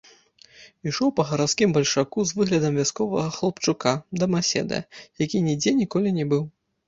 Ішоў па гарадскім бальшаку з выглядам вясковага хлапчука, дамаседа, які нідзе ніколі не быў.